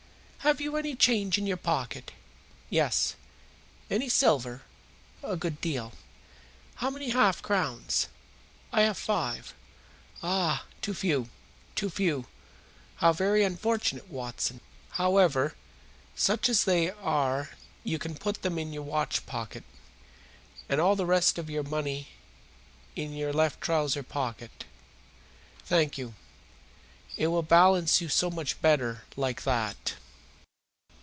"Have you any change in your pocket?" "Yes." "Any silver?" "A good deal." "How many half crowns?" "I have five." "Ah, too few! Too few! How very unfortunate, Watson! However, such as they are you can put them in your watchpocket. And all the rest of your money in your left trouser pocket. Thank you. It will balance you so much better like that."